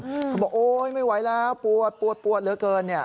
เขาบอกโอ๊ยไม่ไหวแล้วปวดเหลือเกิน